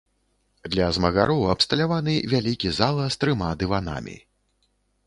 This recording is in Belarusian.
Для змагароў абсталяваны вялікі зала з трыма дыванамі.